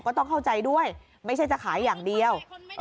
ก็ต้องเข้าใจด้วยไม่ใช่จะขายอย่างเดียว